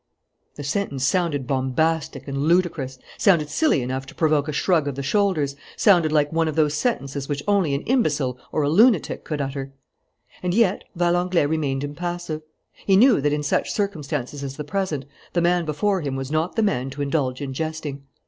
The sentence sounded bombastic and ludicrous, sounded silly enough to provoke a shrug of the shoulders, sounded like one of those sentences which only an imbecile or a lunatic could utter. And yet Valenglay remained impassive. He knew that, in such circumstances as the present, the man before him was not the man to indulge in jesting.